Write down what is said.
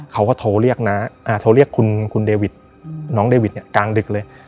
เขาก็โทรเรียกคุณเดวิดน้องเดวิดกลางดึกเลย